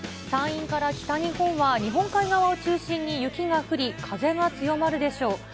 山陰から北日本は日本海側を中心に雪が降り、風が強まるでしょう。